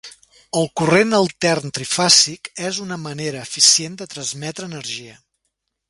El corrent altern trifàsic és una manera eficient de transmetre energia.